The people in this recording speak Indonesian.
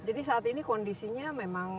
jadi saat ini kondisinya memang